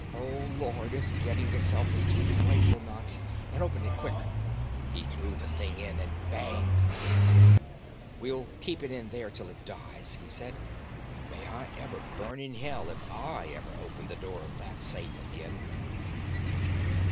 Oh, Lord, it's getting itself into frightful knots! and open it quick!" He threw the thing in and banged the door. "We'll keep it there till it dies," he said. "May I burn in hell if I ever open the door of that safe again."